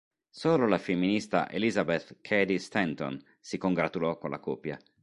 Solo la femminista Elizabeth Cady Stanton si congratulò con la coppia.